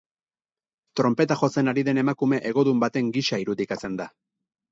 Tronpeta jotzen ari den emakume hegodun baten gisa irudikatzen da.